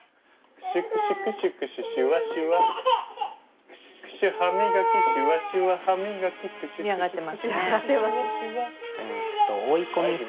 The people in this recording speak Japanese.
クシュクシュクシュクシュシュワシュワクシュクシュ歯みがきシュワシュワ歯みがき嫌がってます。